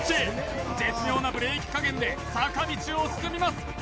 絶妙なブレーキ加減で坂道を進みます